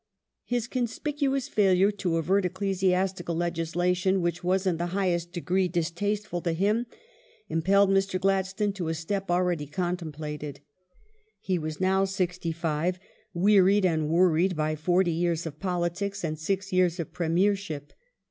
Mr. Glad His conspicuous failure to avert ecclesiastical legislation which ^'^tir^m t ^^^^^^^ highest degree distasteful to him impelled Mr. Gladstone to a step already contemplated. He was now sixty five, wearied and worried by forty years of politics and six years of Premiership.